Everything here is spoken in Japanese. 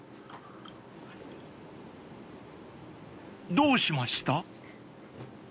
［どうしました？］